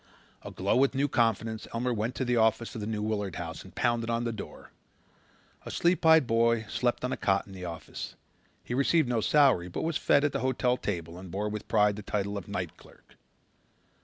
Aglow with new confidence Elmer went to the office of the New Willard House and pounded on the door. A sleep eyed boy slept on a cot in the office. He received no salary but was fed at the hotel table and bore with pride the title of "night clerk."